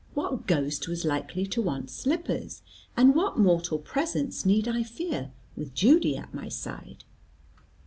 What ghost was likely to want slippers? And what mortal presence need I fear, with Judy at my side?